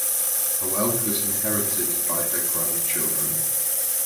Her wealth was inherited by her grandchildren.